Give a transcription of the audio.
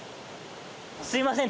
すみません